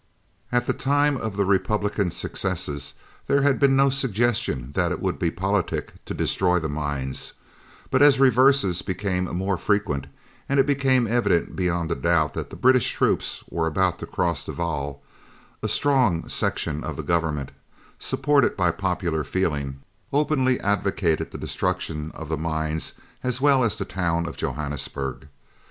At the time of the Republican successes there had been no suggestion that it would be politic to destroy the mines, but as reverses became more frequent, and it became evident beyond a doubt that the British troops were about to cross the Vaal, a strong section of the Government, supported by popular feeling, openly advocated the destruction of the mines as well as the town of Johannesburg.